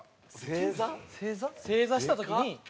正座した時に。